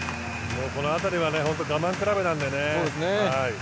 この辺りは我慢比べなのでね。